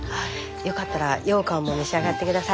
よかったらようかんも召し上がって下さい。